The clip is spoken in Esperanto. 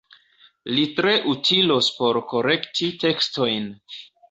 Li tre utilos por korekti tekstojn.